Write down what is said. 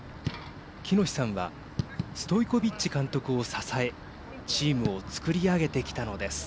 喜熨斗さんはストイコビッチ監督を支えチームを作り上げてきたのです。